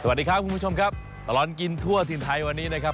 สวัสดีครับคุณผู้ชมครับตลอดกินทั่วถิ่นไทยวันนี้นะครับ